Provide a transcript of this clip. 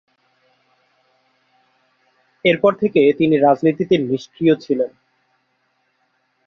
এরপর থেকে তিনি রাজনীতিতে নিষ্ক্রিয় ছিলেন।